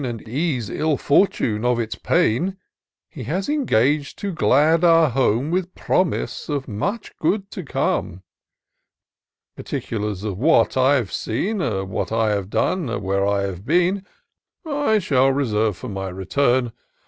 And ease ill fortune of its pain : He has engag'd to glad our home. With promise of much good to come. Particulars of what I've seen. What I have done, where I have been, I shall reserve for my return.